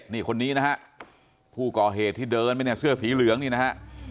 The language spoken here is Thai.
นี่คนนี้นะฮะผู้ก่อเหตุที่เดินไปเนี่ยเสื้อสีเหลืองนี่นะฮะ